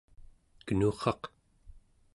kenurraq